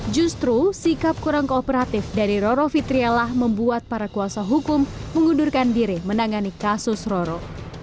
justru sikap kurang kooperatif dari roro fitrialah membuat para kuasa hukum mengundurkan diri menangani kasus roro